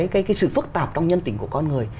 cái sự phức tạp trong nhân tình của con người